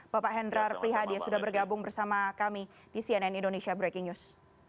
bapak hendrar prihadi yang sudah bergabung bersama kami di cnn indonesia breaking news